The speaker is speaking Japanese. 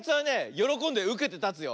よろこんでうけてたつよ。